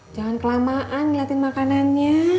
jangan kelamaan ngeliatin makanannya